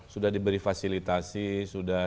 sudah diberi fasilitasi sudah